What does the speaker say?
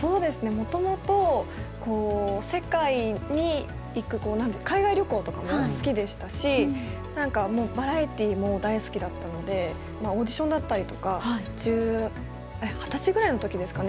もともとこう世界に行く海外旅行とかも好きでしたし何かもうバラエティーも大好きだったのでオーディションだったりとか二十歳ぐらいの時ですかね？